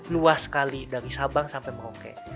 luas sekali dari sabang sampai merauke